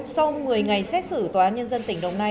sau một mươi ngày xét xử tòa án nhân dân tỉnh đồng nai